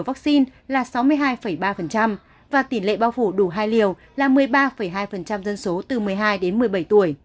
các tỉnh thành phố có tỷ lệ bao phủ mũi hai dưới năm mươi là thái bình nam định thanh hóa và sơn la